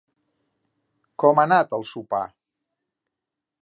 Com ha anat el sopar?